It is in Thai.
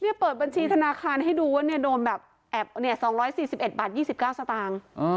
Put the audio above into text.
เปิดบัญชีธนาคารให้ดูว่าเนี่ยโดนแบบแอบ๒๔๑บาท๒๙สตางค์